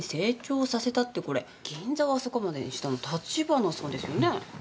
これ銀座をあそこまでにしたの立花さんですよね？